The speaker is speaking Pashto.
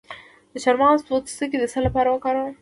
د چارمغز پوستکی د څه لپاره وکاروم؟